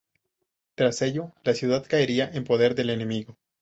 Tras ello, la ciudad caería en poder del enemigo.